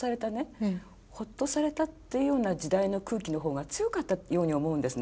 ほっとされたっていうような時代の空気のほうが強かったように思うんですね。